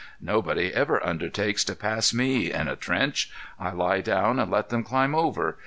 Nobody ever undertakes to pass me in a trench; I lie down and let them climb over.